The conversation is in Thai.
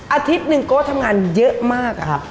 อาทิตย์หนึ่งก็ทำงานเยอะมาก